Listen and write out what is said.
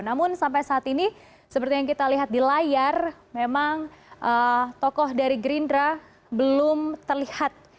namun sampai saat ini seperti yang kita lihat di layar memang tokoh dari gerindra belum terlihat